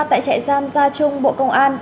tại trại giam gia trung bộ công an